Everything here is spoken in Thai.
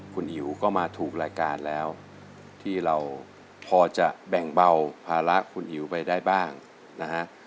คุณอิ๋วก็มาถูกรายการแล้วที่เราพอจะแบ่งเบาภาระคุณอิ๋วไปได้บ้างนะฮะ